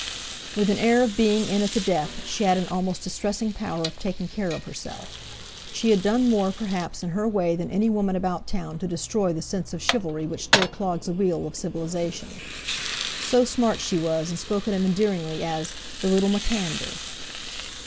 With an air of being in at the death, she had an almost distressing power of taking care of herself. She had done more, perhaps, in her way than any woman about town to destroy the sense of chivalry which still clogs the wheel of civilization. So smart she was, and spoken of endearingly as "the little MacAnder!"